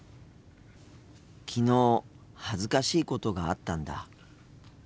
昨日恥ずかしいことがあったんだ。